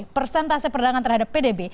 persentase perdagangan terhadap pdb